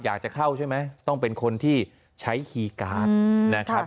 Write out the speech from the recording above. อยากจะเข้าใช่ไหมต้องเป็นคนที่ใช้คีย์การ์ดนะครับ